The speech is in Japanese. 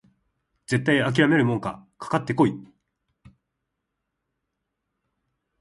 絶対あきらめるもんかかかってこい！